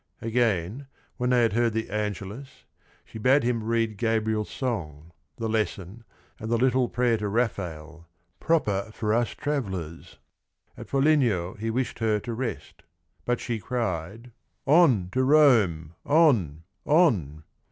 Again, when they had heard the angelus, she bade him read Gabriel's song, the lesson, and the little prayer to Raphael, "proper for us travellers." At Fo ligno he wished her to rest but she cried: "On t o Rome, on, on